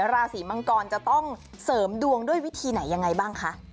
ราศีมังกรจะต้องเสริมดวงด้วยวิธีไหนยังไงบ้างคะ